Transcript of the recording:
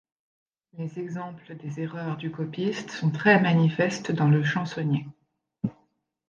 Les exemples des erreurs du copiste sont très manifestes dans le chansonnier.